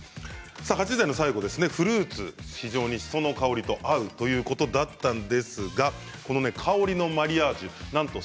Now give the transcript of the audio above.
８時台の最後、フルーツしその香りと非常に合うということだったんですが香りのマリアージュなんと